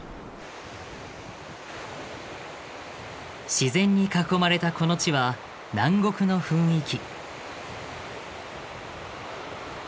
自然に囲まれたこの地は南国の雰囲気。